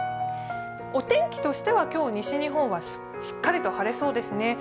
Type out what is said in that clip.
お天気としては今日、西日本はしっかりと晴れそうですね。